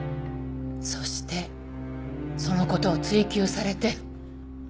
そしてその事を追及されて。